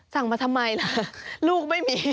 มาทำไมล่ะลูกไม่มี